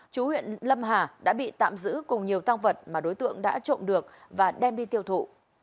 đồng hà đã bị tạm giữ cùng nhiều tăng vật mà đối tượng đã trộm được và đem đi tiêu thụ